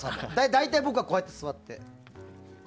大体、僕はこうやって座って。